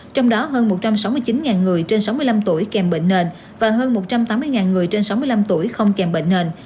trong đó hơn một trăm sáu mươi chín người trên sáu mươi năm tuổi kèm bệnh nền và hơn một trăm tám mươi người trên sáu mươi năm tuổi không kèm bệnh nền